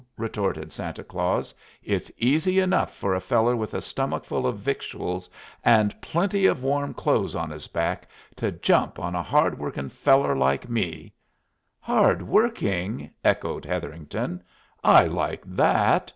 retorted Santa Claus. "It's easy enough for a feller with a stomach full o' victuals and plenty of warm clothes on his back to jump on a hard workin' feller like me " "Hard working?" echoed Hetherington. "I like that!